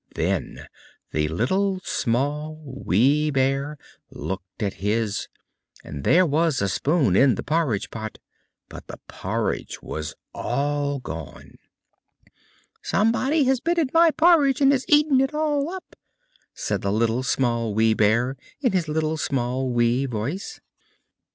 Then the Little, Small, Wee Bear looked at his, and there was the spoon in the porridge pot, but the porridge was all gone. "SOMEBODY HAS BEEN AT MY PORRIDGE, AND HAS EATEN IT ALL UP!" said the Little, Small, Wee Bear, in his little, small, wee voice.